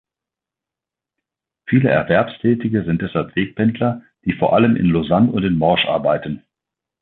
Viele Erwerbstätige sind deshalb Wegpendler, die vor allem in Lausanne und in Morges arbeiten.